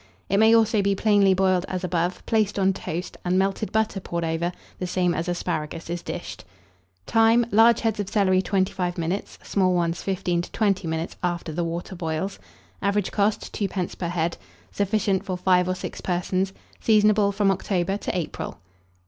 It may also be plainly boiled as above, placed on toast, and melted butter poured over, the same as asparagus is dished. Time. Large heads of celery, 25 minutes, small ones, 15 to 20 minutes, after the water boils. Average cost, 2d. per head. Sufficient for 5 or 6 persons. Seasonable from October to April.